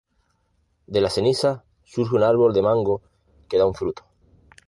De las cenizas surge un árbol de mango que da un fruto.